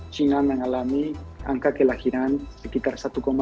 china mengalami angka kelahiran sekitar satu dua